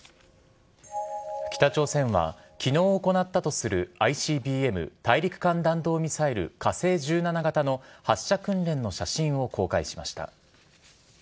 北朝鮮は昨日行ったとするＩＣＢＭ＝大陸間弾道ミサイル火星１７型の発射訓練の写真を公開しました。